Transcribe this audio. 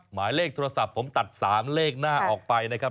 หมายเลขโทรศัพท์ผมตัด๓เลขหน้าออกไปนะครับ